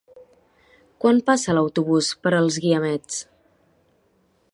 Quan passa l'autobús per els Guiamets?